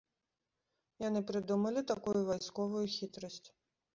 Яны прыдумалі такую вайсковую хітрасць.